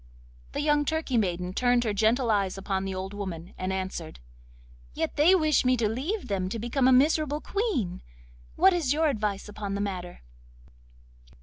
The young Turkey maiden turned her gentle eyes upon the old woman, and answered: 'Yet they wish me to leave them to become a miserable Queen! what is your advice upon the matter?